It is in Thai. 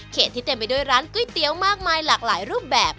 ที่เต็มไปด้วยร้านก๋วยเตี๋ยวมากมายหลากหลายรูปแบบ